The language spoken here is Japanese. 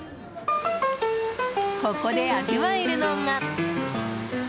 ここで味わえるのが。